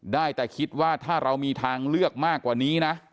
ได้แต่คิดว่าถ้าเรามีทางเลือกมากกว่านี้นะ